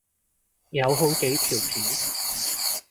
有好幾條片